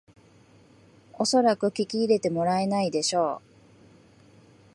おそらく聞き入れてもらえないでしょう